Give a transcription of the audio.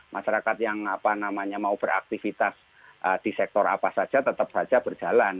masyarakat yang apa namanya mau beraktifitas di sektor apa saja tetap saja berjalan